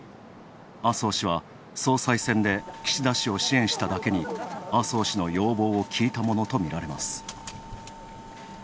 麻生氏は総裁選で岸田氏を支援しただけに、麻生氏の要望を聞いたものとみられます。